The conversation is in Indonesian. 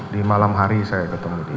di malam hari saya ketemu di